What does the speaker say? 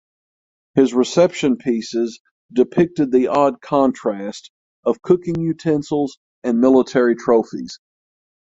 His reception pieces depicted the odd contrast of cooking utensils and military trophies.